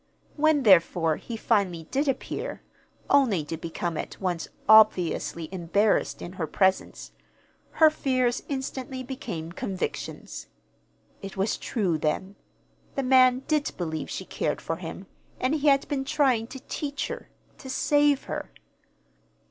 When, therefore, he finally did appear, only to become at once obviously embarrassed in her presence, her fears instantly became convictions. It was true, then. The man did believe she cared for him, and he had been trying to teach her to save her.